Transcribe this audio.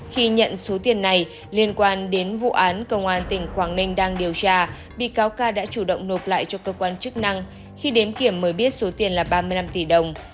khi nhận số tiền này liên quan đến vụ án công an tỉnh quảng ninh đang điều tra bị cáo ca đã chủ động nộp lại cho cơ quan chức năng khi đến kiểm mới biết số tiền là ba mươi năm tỷ đồng